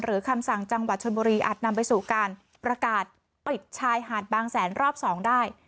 คำสั่งจังหวัดชนบุรีอาจนำไปสู่การประกาศปิดชายหาดบางแสนรอบ๒ได้